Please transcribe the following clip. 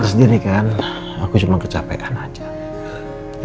mama dengar sendiri kan aku cuma kecapekan saja